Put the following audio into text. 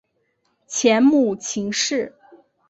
前母秦氏。